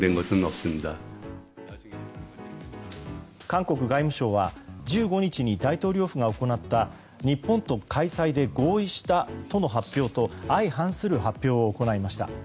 韓国外務省は、１５日に大統領府が行った日本と開催で合意したとの発表と相反する発表を行いました。